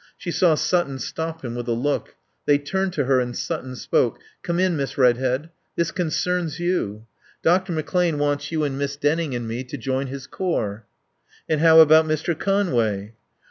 She saw Sutton stop him with a look. They turned to her and Sutton spoke. "Come in, Miss Redhead. This concerns you. Dr. McClane wants you and Miss Denning and me to join his corps." "And how about Mr. Conway?"